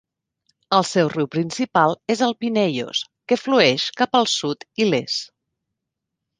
El seu riu principal és el Pineios, que flueix cap al sud i l'est.